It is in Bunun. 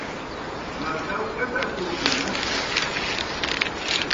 maldauk kata tu manaskal